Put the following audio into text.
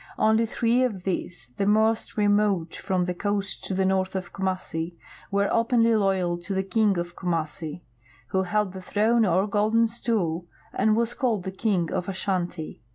Only three of these, the most remote from the coast to the north of Kumassi, were openly loyal to the King of Kumassi, who held the throne or golden stool and was called the King of Ashanti.